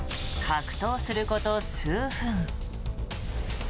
格闘すること数分。